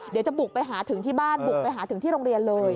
เดี๋ยวจะบุกไปหาถึงที่บ้านบุกไปหาถึงที่โรงเรียนเลย